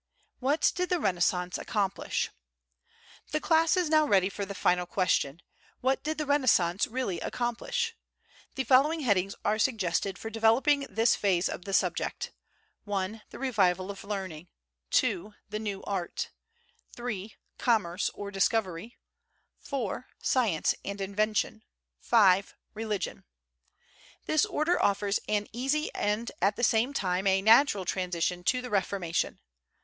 What Did the Renaissance Accomplish? The class is now ready for the final question, "What did the Renaissance really accomplish?" The following headings are suggested for developing this phase of the subject; (1) the revival of learning; (2) the new art; (3) commerce or discovery; (4) science and invention; (5) religion. This order offers an easy and at the same time a natural transition to the Reformation.